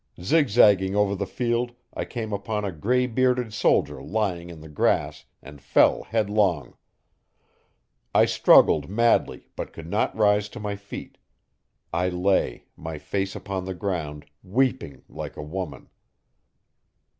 Zigzagging over the field I came upon a grey bearded soldier lying in the grass and fell headlong. I struggled madly, but could not rise to my feet. I lay, my face upon the ground, weeping like a woman.